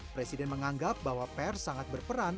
presiden menganggap bahwa pers sangat berperan